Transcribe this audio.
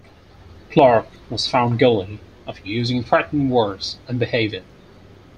Clark was found guilty of using threatening words and behaviour.